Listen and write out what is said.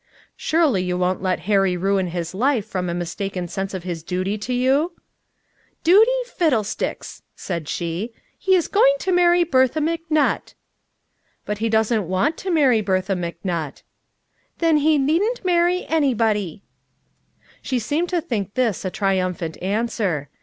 "Surely you won't let Harry ruin his life from a mistaken sense of his duty to you?" "Duty, fiddlesticks!" said she. "He's going to marry Bertha McNutt!" "But he doesn't want to marry Bertha McNutt!" "Then he needn't marry anybody." She seemed to think this a triumphant answer.